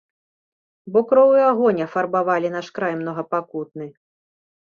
Бо кроў і агонь афарбавалі наш край многапакутны.